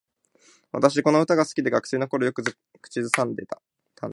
私、この歌が好きでね。学生の頃はよく口ずさんでたんだ。